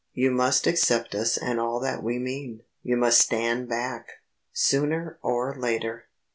"You must accept us and all that we mean, you must stand back; sooner or later.